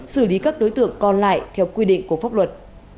xử lý các đối tượng còn lại theo quy định của pháp luật